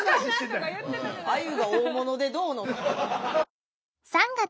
アユが大物でどうの。